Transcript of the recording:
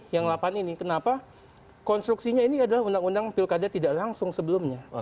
yang delapan ini kenapa konstruksinya ini adalah undang undang pilkada tidak langsung sebelumnya